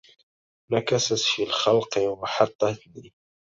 نكست في الخلق وحطتني